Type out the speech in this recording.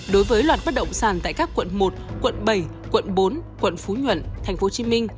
đối với loạt bất động sản tại các quận một quận bảy quận bốn quận phú nhuận tp hcm